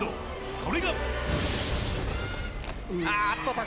それが。